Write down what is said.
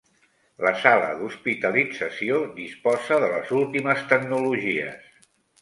La sala d'hospitalització disposa de les últimes tecnologies.